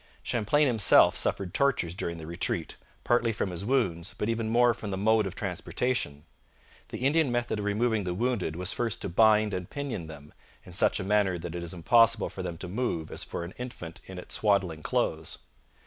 Champlain himself suffered tortures during the retreat, partly from his wounds, but even more from the mode of transportation. The Indian method of removing the wounded was first to bind and pinion them 'in such a manner that it is as impossible for them to move as for an infant in its swaddling clothes.'